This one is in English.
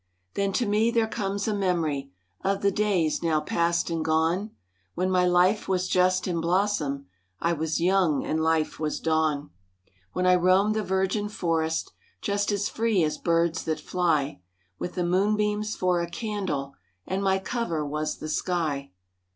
Then to me there comes a memory, Of the days, now past and gone, When my life was just in blossom, I was young and life was dawn. When I roamed the virgin forest, Just as free as birds that fly, With the moonbeams for a candle, And my cover was the sky.